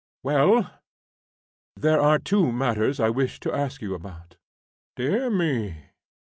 "Well?" "There are two matters I wish to ask you about." "Dear me!"